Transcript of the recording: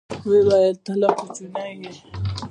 ويې ويل ته لا کوچنى يې.